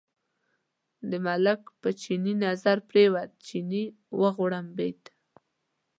د ملک په چیني نظر پرېوت، چیني وغړمبېد.